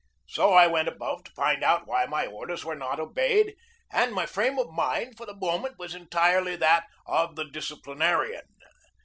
So I went above to find out why my orders were not obeyed, and my frame of mind for the moment was entirely that of the disciplinarian.